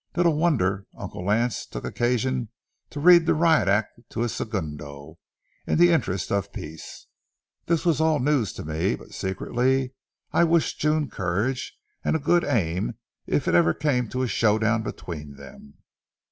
Little wonder Uncle Lance took occasion to read the riot act to his segundo in the interests of peace. This was all news to me, but secretly I wished June courage and a good aim if it ever came to a show down between them.